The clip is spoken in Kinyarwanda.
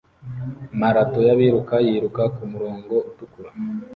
Marato yabiruka yiruka kumurongo utukura